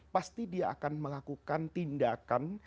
pasti dia akan melakukan tindakan